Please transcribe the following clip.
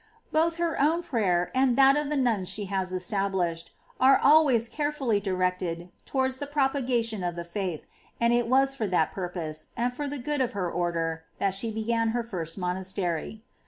Both her own prayer, and that of the nuns she has established, are always carefully directed towards the propagation of the faith ; and it was for that purpose, and for the good of her Order, that she began her first monastery.